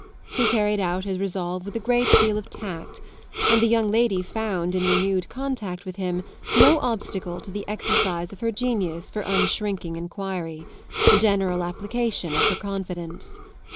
He carried out his resolve with a great deal of tact, and the young lady found in renewed contact with him no obstacle to the exercise of her genius for unshrinking enquiry, the general application of her confidence.